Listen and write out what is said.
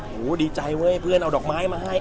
โอ้โหดีใจเว้ยเพื่อนเอาดอกไม้มาให้